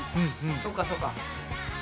そうかそうか。